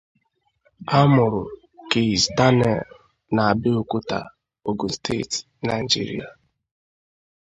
A mụrụ Kizz Daniel na Abeokuta, Ogun steeti, Naịjirịa.